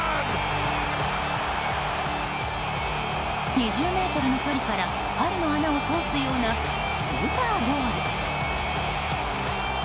２０ｍの距離から針の穴を通すようなスーパーゴール。